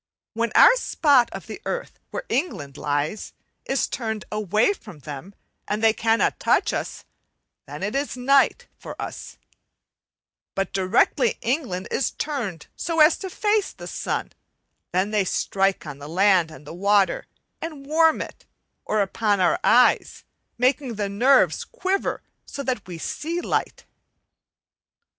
When our spot of the earth where England lies is turned away from them and they cannot touch us, then it is night for us, but directly England is turned so as to face the sun, then they strike on the land, and the water, and warm it; or upon our eyes, making the nerves quiver so that we see light.